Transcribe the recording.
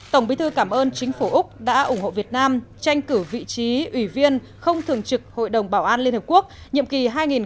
tổng bí thư cảm ơn chính phủ úc đã ủng hộ việt nam tranh cử vị trí ủy viên không thường trực hội đồng bảo an liên hợp quốc nhiệm kỳ hai nghìn hai mươi hai nghìn hai mươi một